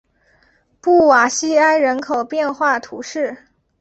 布瓦西埃人口变化图示